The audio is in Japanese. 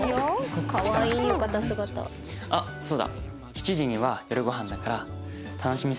あっそうだ。